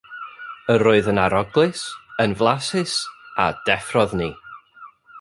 Yr oedd yn aroglus, yn flasus, a deffrodd ni.